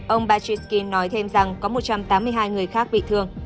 ông batrisky nói thêm rằng có một trăm tám mươi hai người khác bị thương